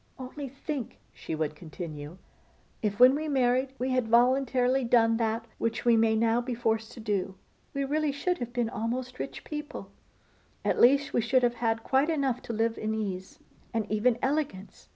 'Only think,' she would continue, 'if when we married we had voluntarily done that which we may now be forced to do, we really should have been almost rich people; at least we should have had quite enough to live in ease, and even elegance.